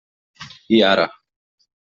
I ara!